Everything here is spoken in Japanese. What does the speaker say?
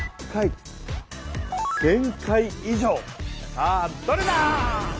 さあどれだ？